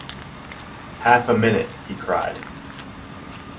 “Half a minute,” he cried.